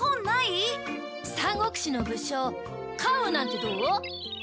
『三国志』の武将関羽なんてどう？